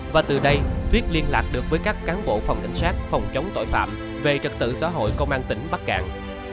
và từ đây tuyết liên lạc được với các cán bộ phòng cảnh sát phòng chống tội phạm về trật tự xã hội công an tỉnh bắc cạn